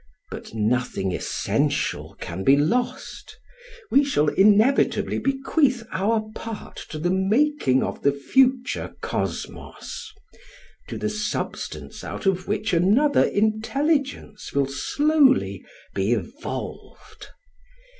But nothing essential can be lost. We shall inevitably bequeath our part to the making of the future cosmos — to the substance out of which an other intelligence will slowly be evolved.